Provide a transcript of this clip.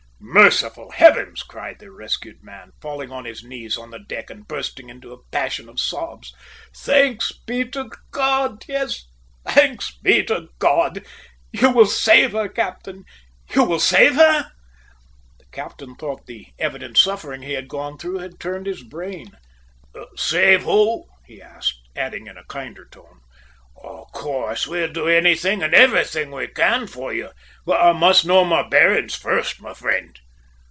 "Merciful Heavens!" cried the rescued man, falling on his knees on the deck and bursting into a passion of sobs. "Thanks be to God! Yes, thanks be to God! You will save her, captain. You will save her?" The skipper thought the evident suffering he had gone through had turned his brain. "Save who?" he asked, adding in a kinder tone: "Of course, we'll do anything and everything we can for you, but I must know my bearings first, my friend."